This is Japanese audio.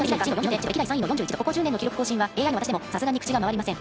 ここ１０年の記録更新はＡＩの私でもさすがに口が回りません。